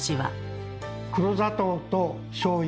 黒砂糖としょうゆ